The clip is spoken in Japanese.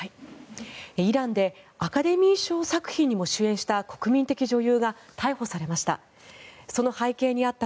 イランでアカデミー賞作品にも主演した国民的女優が逮捕されました。